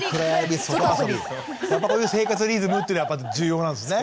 こういう生活リズムというのはやっぱ重要なんですね！